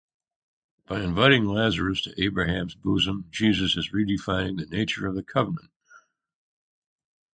By inviting Lazarus to Abraham's bosom, Jesus is redefining the nature of the covenant.